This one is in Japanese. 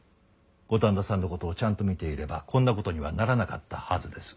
五反田さんの事をちゃんと見ていればこんな事にはならなかったはずです。